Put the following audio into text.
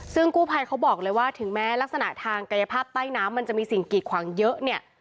ซึ่งกู้ภัยเขาบอกเลยว่าถึงแม้ลักษณะทางกายภาพใต้น้ำมันจะมีสิ่งกีดขวางเยอะเนี่ย